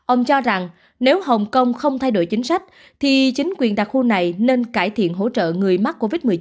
ông cho rằng nếu hồng kông không thay đổi chính sách thì chính quyền đặc khu này nên cải thiện hỗ trợ người mắc covid một mươi chín